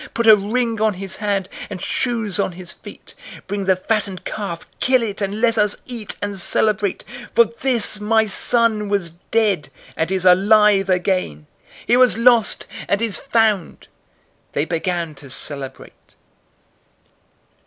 Put a ring on his hand, and shoes on his feet. 015:023 Bring the fattened calf, kill it, and let us eat, and celebrate; 015:024 for this, my son, was dead, and is alive again. He was lost, and is found.' They began to celebrate.